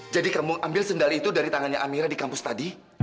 jadi kamu ambil sendal itu dari tangannya amira di kampus tadi